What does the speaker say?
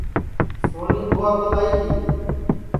سونی بُھوا کِدؔ آئی تی